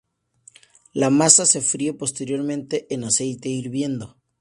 La masa se fríe posteriormente en aceite hirviendo.